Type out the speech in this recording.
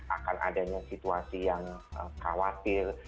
akan adanya situasi yang khawatir